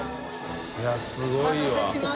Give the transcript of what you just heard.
いやすごいわ。